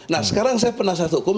nah sekarang saya penasihat hukum